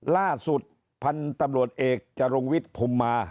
ล่าสุดพันธุ์ตำรวจเอกจรุงวิทย์ภูมิมา